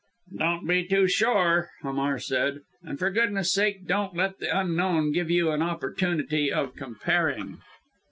"Don't be too sure," Hamar said, "and for goodness' sake don't let the Unknown give you an opportunity of comparing."